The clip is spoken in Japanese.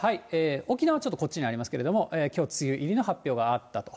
沖縄、ちょっとこっちにありますけれども、きょう梅雨入りの発表があったと。